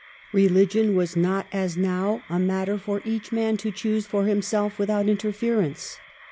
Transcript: Religion was not, as now, a matter for each man to choose for himself without interference.